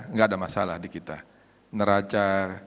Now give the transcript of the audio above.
nggak ada masalah di kita neraca